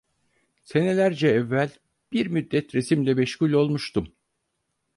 Senelerce evvel, bir müddet resimle meşgul olmuştum.